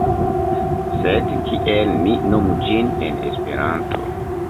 Sed kiel ni nomu ĝin en Esperanto?